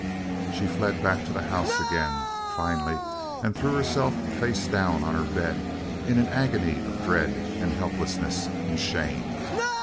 She fled back to the house again, finally, and threw herself face down on her bed in an agony of dread, and helplessness, and shame.